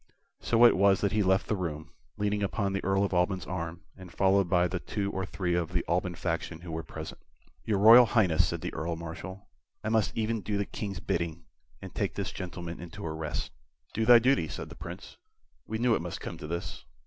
So it was that he left the room, leaning upon the Earl of Alban's arm, and followed by the two or three of the Alban faction who were present. "Your Royal Highness," said the Earl Marshal, "I must e'en do the King's bidding, and take this gentleman into arrest." "Do thy duty," said the Prince. "We knew it must come to this.